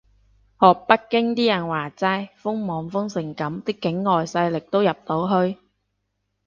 學北京啲人話齋，封網封成噉啲境外勢力都入到去？